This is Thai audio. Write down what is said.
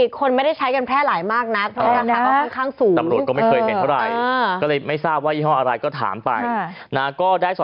คนไม่ได้ใช้ไปแพร่หลายมากนัด